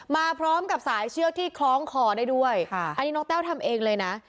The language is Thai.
มาพร้อมกับสายเชือกที่คล้องคอได้ด้วยค่ะอันนี้น้องแต้วทำเองเลยนะ